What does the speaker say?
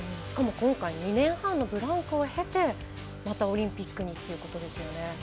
しかも今回２年半のブランクをへてまた、オリンピックにということですよね。